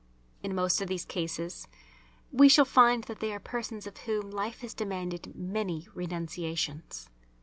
In most of these cases we shall find that they are persons of whom life has demanded many renunciations.